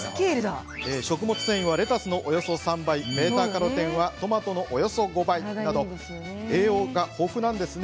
食物繊維はレタスのおよそ３倍β−カロテンはトマトのおよそ５倍など栄養が豊富なんですね